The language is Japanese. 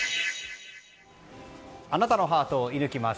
あなたのハートを射抜きます。